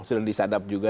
sudah disadap juga